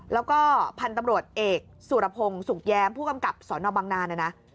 แล้วก็พันธุ์ตำรวจเอกสุรพงศ์สุขแย้มผู้กำกับสนบังนาเนี่ยนะ